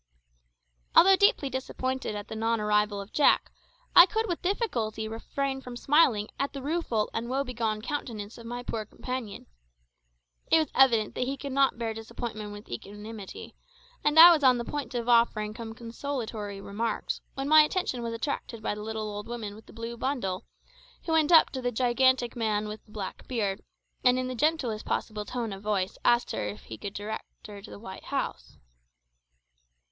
Although deeply disappointed at the non arrival of Jack, I could with difficulty refrain from smiling at the rueful and woe begone countenance of my poor companion. It was evident that he could not bear disappointment with equanimity, and I was on the point of offering some consolatory remarks, when my attention was attracted by the little old woman with the blue bundle, who went up to the gigantic man with the black beard, and in the gentlest possible tone of voice asked if he could direct her to the white house.